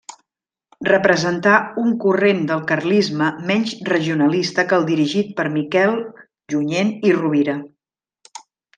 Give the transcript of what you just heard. Representà un corrent del carlisme menys regionalista que el dirigit per Miquel Junyent i Rovira.